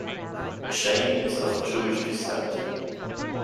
Jayne is of Jewish descent.